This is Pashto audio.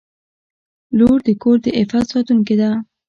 • لور د کور د عفت ساتونکې ده.